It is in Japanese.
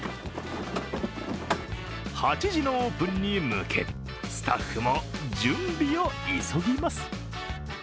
８時のオープンに向けスタッフも準備を急ぎます。